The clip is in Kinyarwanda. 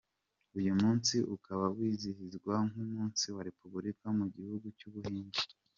Uyu munsi ukaba wizihizwa nk’umunsi wa Repubulika mu gihugu cy’ubuhinde.